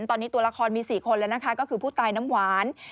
ตอนนี้ตัวละครมี๔คนแล้วนะคะก็คือผู้ตายน้ำหวาน